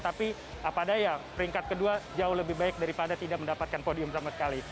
tapi apa daya peringkat kedua jauh lebih baik daripada tidak mendapatkan podium sama sekali